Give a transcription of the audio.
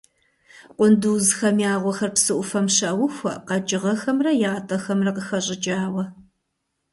Къундузхэм я гъуэхэр псы Ӏуфэм щаухуэ къэкӀыгъэхэмрэ ятӀэхэмрэ къыхэщӀыкӀауэ.